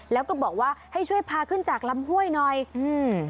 แล้วก็บอกว่าให้ช่วยพาขึ้นจากลำห้วยหน่อยอืม